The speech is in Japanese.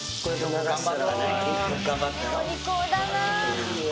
お利口だなぁ。